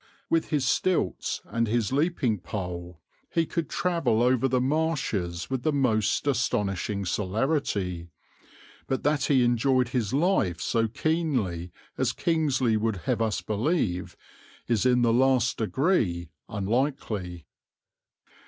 With his stilts and his leaping pole he could travel over the marshes with the most astonishing celerity; but that he enjoyed his life so keenly as Kingsley would have us believe is in the last degree unlikely.